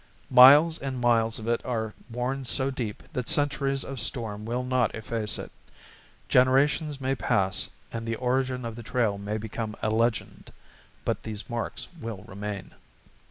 Miles and miles of it are worn so deep that centuries of storm will not efface it; generations may pass and the origin of the trail may become a legend, but these marks will remain.